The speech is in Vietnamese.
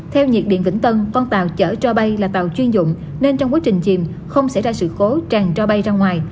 theo nhiệt điện vĩnh tân con tàu chở trò bay là tàu chuyên dụng nên trong quá trình chìm không xảy ra sự khối tràn trò bay ra ngoài